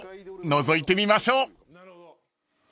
［のぞいてみましょう］